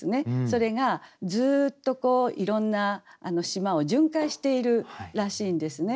それがずっといろんな島を巡回しているらしいんですね。